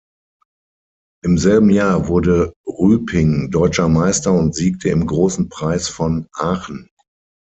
Im selben Jahr wurde Rüping Deutscher Meister und siegte im Großen Preis von Aachen.